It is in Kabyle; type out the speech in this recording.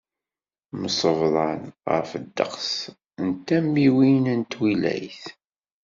Msebḍan ɣef ddeqs n tamiwin n twilayt.